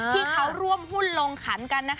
ที่เขาร่วมหุ้นลงขันกัน